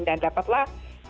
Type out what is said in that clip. dan dapatlah seluruhnya